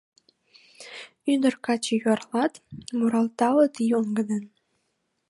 Ӱдыр-каче юарлат, Муралталыт йоҥгыдын.